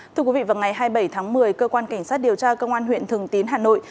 thưa quý vị vào ngày hai mươi bảy tháng một mươi cơ quan cảnh sát điều tra công an huyện thường tín hà nội